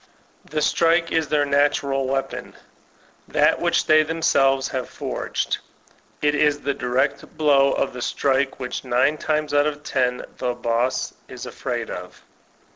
The strike is their natural weapon, that which they them selves forged. It is the direct blow of the strike which nine times out of ten the boss is afraid of.